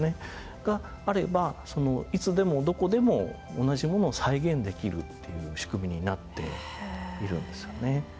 があればいつでもどこでも同じものを再現できるっていう仕組みになっているんですよね。